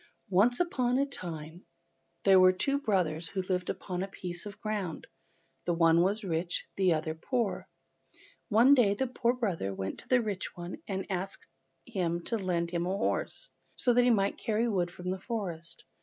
ONCE upon a time there were two brothers who lived upon a piece of ground. The one was rich and the other poor. One day the poor brother went to the rich one to ask him to lend him a horse, so that he might carry wood from the forest.